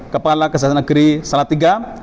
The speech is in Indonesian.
kepala kesehatan negeri salatiga